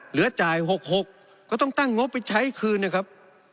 เหลือจ่าย๖๖ก็ต้องตั้งงบไปใช้คืนนะครับ